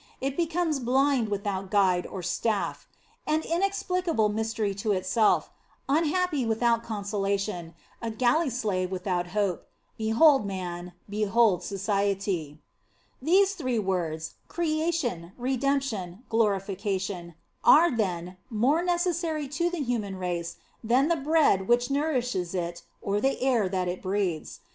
It becomes blind without guide or staff; an inexplicable mystery to itself; unhappy without consolation; a galley slave without hope: behold man, behold society. These three words, Creation, Redemption, Glorification, are, then, more necessary to the human race than the bread which nourishes it, or the air that it breathes.